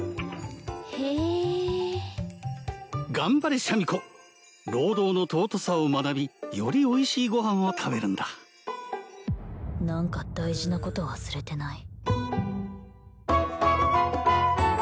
へえ頑張れシャミ子労働の尊さを学びよりおいしいご飯を食べるんだ何か大事なこと忘れてない？